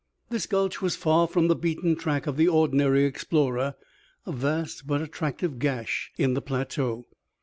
This gulch was far from the beaten track of the ordinary explorer, a vast but attractive gash in the plateau.